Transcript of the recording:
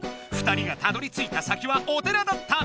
２人がたどりついた先はお寺だった。